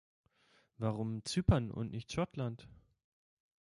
Warum Zypern und nicht Schottland?